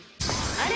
あれ？